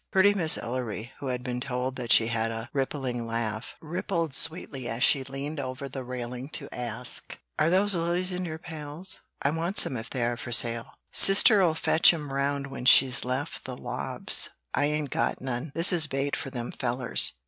Pretty Miss Ellery, who had been told that she had "a rippling laugh," rippled sweetly as she leaned over the railing to ask, "Are those lilies in your pails? I want some if they are for sale." "Sister'll fetch 'em round when she's left the lobs. I ain't got none; this is bait for them fellers."